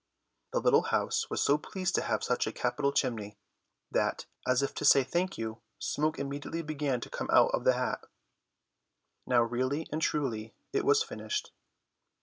The little house was so pleased to have such a capital chimney that, as if to say thank you, smoke immediately began to come out of the hat. Now really and truly it was finished.